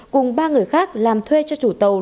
cùng ba người khác làm thuê cho chủ tàu